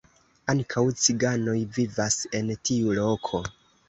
Ankaŭ ciganoj vivas en tiu loko.